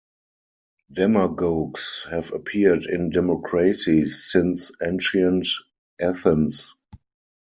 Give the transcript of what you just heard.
Demagogues have appeared in democracies since ancient Athens.